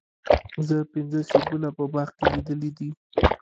زه پنځه سیبونه په باغ کې لیدلي دي.